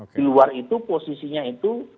di luar itu posisinya itu